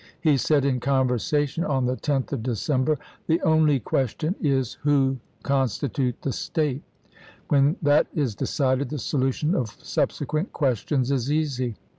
He said in conversation on the 10th of December :" The only question is, Who consti i863. tute the State 1 When that is decided, the solution J H of subsequent questions is easy."